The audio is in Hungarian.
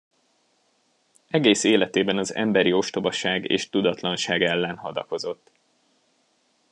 Egész életében az emberi ostobaság és tudatlanság ellen hadakozott.